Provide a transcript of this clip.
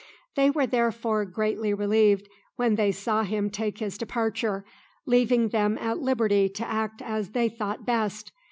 They were therefore greatly relieved when they saw him take his departure, leaving them at liberty to act as they thought best.